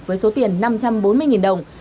với số tiền năm trăm bốn mươi đồng